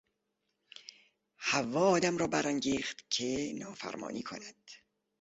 حوا آدم را برانگیخت که نافرمانی کند.